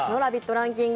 ランキング